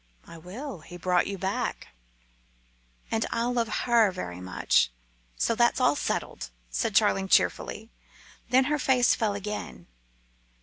"I will. He brought you back." "And I'll love her very much. So that's all settled," said Charling cheerfully. Then her face fell again.